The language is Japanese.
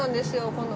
この。